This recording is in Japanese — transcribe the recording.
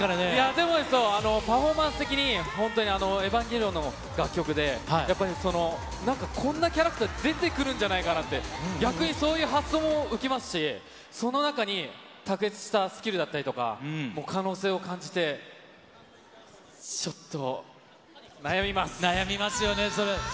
でも、パフォーマンス的に、本当にエヴァンゲリオンの楽曲で、やっぱりその、なんかこんなキャラクター出てくるんじゃないかなって、逆にそういう発想を受けますし、その中に卓越したスキルだったりとか、可能性を感じて、ちょっと、悩みますよね、それ。